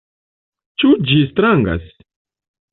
Ĉu ĝi strangas?